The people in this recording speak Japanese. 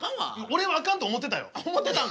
俺はあかんと思うてたよ。